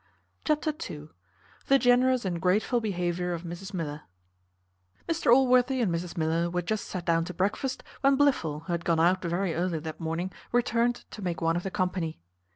Chapter ii. The generous and grateful behaviour of Mrs Miller. Mr Allworthy and Mrs Miller were just sat down to breakfast, when Blifil, who had gone out very early that morning, returned to make one of the company.